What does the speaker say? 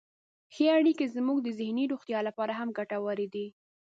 ښې اړیکې زموږ ذهني روغتیا لپاره هم ګټورې دي.